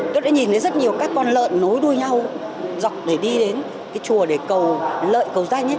tôi đã nhìn thấy rất nhiều các con lợn nối đuôi nhau dọc để đi đến cái chùa để cầu lợi cầu gia nhất